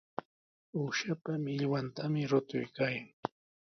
Uushapa millwantami rutuykaayan.